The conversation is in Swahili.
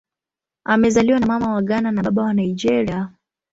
Amezaliwa na Mama wa Ghana na Baba wa Nigeria.